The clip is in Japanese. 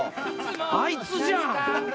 あいつじゃん。